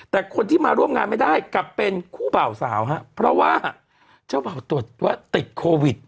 แต่คนที่มาร่วมงานไม่ได้กลับเป็นคู่บ่าวสาวฮะเพราะว่าเจ้าบ่าวตรวจว่าติดโควิด